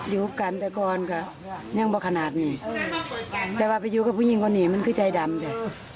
อยู่กันแต่ก่อนก็ยังบอกขนาดนี้แต่ว่าไปอยู่กับผู้หญิงคนนี้มันคือใจดำจ้ะ